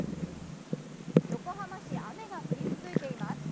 横浜市雨が降り続いています。